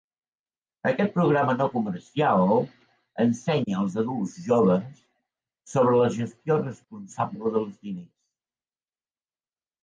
Aquest programa no comercial ensenya els adults joves sobre la gestió responsable dels diners.